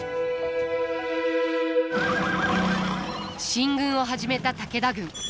進軍を始めた武田軍。